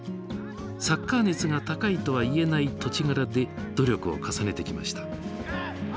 サッカー熱が高いとはいえない土地柄で努力を重ねてきました。